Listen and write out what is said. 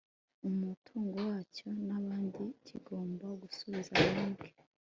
umutungo wacyo n abandi kigomba gusubiza banki